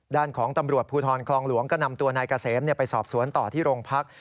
ด้านของตำรวจภูทรคลองหลวงก็นำตัวนายเกษมไปสอบสวนต่อที่โรงพัก